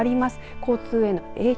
交通への影響